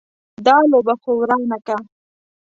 دا لوبه خو ورانه که.